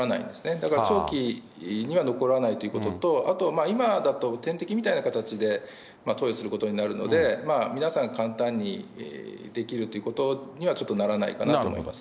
だから長期には残らないということと、あと今だと、点滴みたいな形で投与することになるので、皆さん簡単にできるということにはちょっとならないかなと思います。